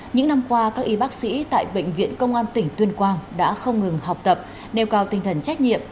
những năm qua các y bác sĩ tại bệnh viện công an tỉnh tuyên quang đã không ngừng học tập nêu cao tinh thần trách nhiệm